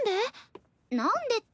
なんで？